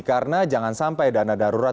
karena jangan sampai dana darurat